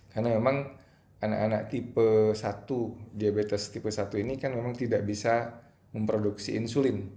karena memang anak anak tipe satu diabetes tipe satu ini kan memang tidak bisa memproduksi insulin